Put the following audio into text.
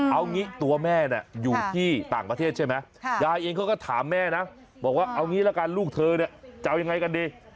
เอางี้ตัวแม่เนี่ยอยู่ที่ต่างประเทศใช่ไหมยายเองเขาก็ถามแม่นะบอกว่าเอางี้ละกันลูกเธอเนี่ยจะเอายังไงกันดี